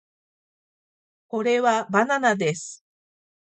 これはバナナです